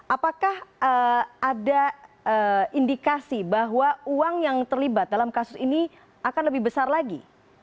apakah ada indikasi bahwa uang yang terlibat dalam kasus ini akan lebih besar lagi